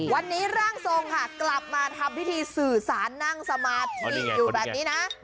วันนี้ร่างทรงค่ะกลับมาทำพิธีสื่อสารนั่งสมาธิอยู่แบบนี้นะ